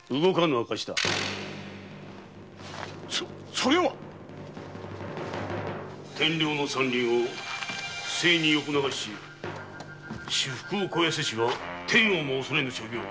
そそれは天領の山林を横流しし私腹を肥やせしは天をも恐れぬ所業